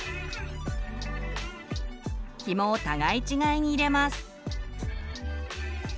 ヒモを互い違いに入れます。